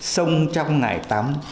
sông trong ngày tắm